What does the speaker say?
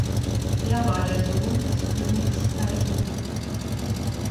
Er war der Sohn des Königs Tai Wu.